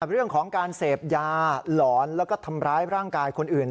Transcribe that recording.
เรื่องของการเสพยาหลอนแล้วก็ทำร้ายร่างกายคนอื่น